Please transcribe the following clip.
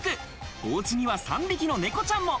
おうちには３匹の猫ちゃんも。